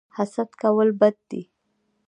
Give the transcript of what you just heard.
حسد کول بد دي